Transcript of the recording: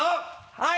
はい！